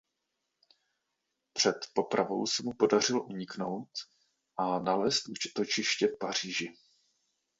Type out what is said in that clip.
Před popravou se mu podařilo uniknout a nalézt útočiště v Paříži.